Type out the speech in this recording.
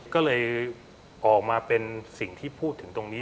ก็เลยออกมาเป็นสิ่งที่พูดถึงตรงนี้